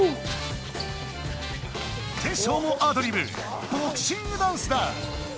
テッショウもアドリブボクシングダンスだ！